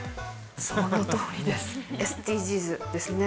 そのとおりです。